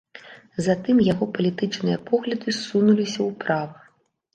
Затым яго палітычныя погляды ссунуліся ўправа.